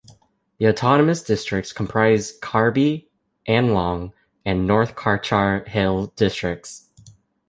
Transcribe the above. The autonomous districts comprise Karbi, Anglong and North Cachar Hills districts.